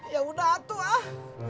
ya udah tuh ah